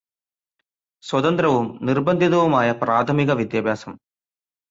സ്വതന്ത്രവും, നിര്ബന്ധിതവുമായ പ്രാഥമിക വിദ്യാഭ്യാസം